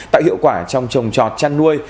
tạo hiệu quả trong trồng trọt chăn nuôi